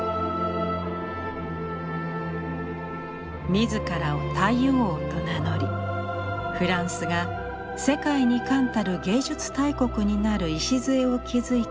自らを太陽王と名乗りフランスが世界に冠たる芸術大国になる礎を築いたルイ１４世。